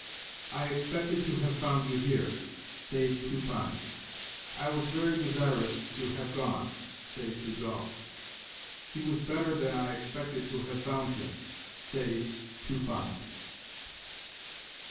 "I expected to have found you here": say, to find. "I was very desirous to have gone": say, to go. "He was better than I expected to have found him": say, to find.